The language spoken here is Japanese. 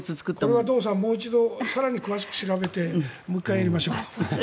これは堂さんもう一度、更に詳しく調べてもう１回やりましょう。